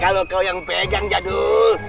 kalau kau yang pegang jadul